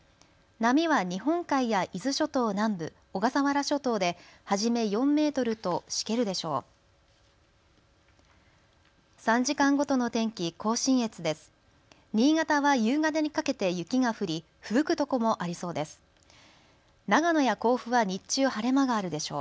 波は日本海や伊豆諸島南部、小笠原諸島で初め４メートルとしけるでしょう。